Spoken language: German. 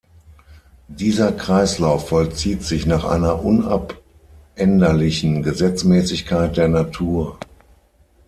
Dieser Kreislauf vollzieht sich nach einer unabänderlichen Gesetzmäßigkeit der Natur.